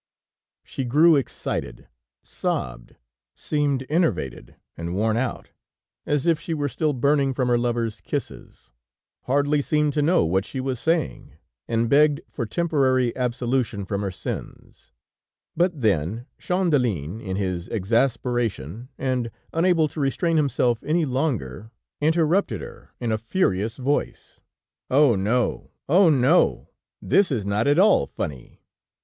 She grew excited, sobbed, seemed enervated and worn out, as if she were still burning from her lover's kisses, hardly seemed to know what she was saying, and begged for temporary absolution from her sins; but then Champdelin, in his exasperation, and unable to restrain himself any longer, interrupted her in a furious voice: "Oh! no! Oh! no; this is not at all funny